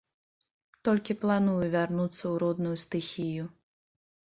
Толькі планую вярнуцца ў родную стыхію.